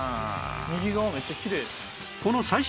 右側めっちゃきれい。